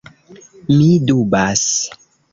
Mi dubas.